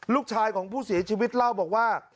ลูกชายของผู้เสียชีวิตเล่าบอกว่า